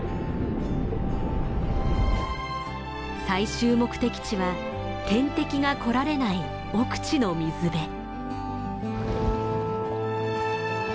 最終目的地は天敵が来られない奥地の水辺。